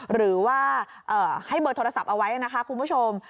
หรือว่าให้เบอร์โทรศัพท์เอาไว้นะคะคุณผู้ชม